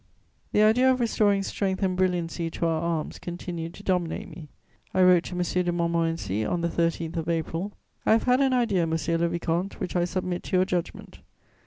The idea of restoring strength and brilliancy to our arms continued to dominate me. I wrote to M. de Montmorency, on the 13th of April: "I have had an idea, monsieur le vicomte, which I submit to your judgment.